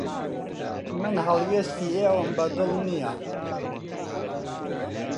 من هەڵوێستی ئێوەم بەدڵ نییە.